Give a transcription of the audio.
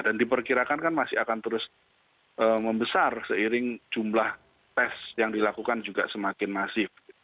dan diperkirakan kan masih akan terus membesar seiring jumlah tes yang dilakukan juga semakin masif